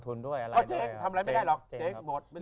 เจ๊ทำอะไรไม่ได้หรอกเจ๊หมด